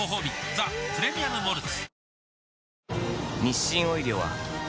「ザ・プレミアム・モルツ」おおーー